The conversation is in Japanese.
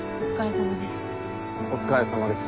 お疲れさまです。